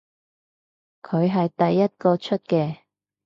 佢係第一個出嘅